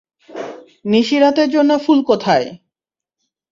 নিশি রাতের জন্য ফুল কোথায়?